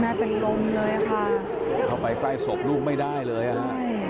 เป็นลมเลยค่ะเข้าไปใกล้ศพลูกไม่ได้เลยอ่ะฮะ